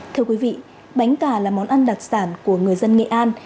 thưa quý vị bánh cà là món ăn đặc sản của người dân nghệ an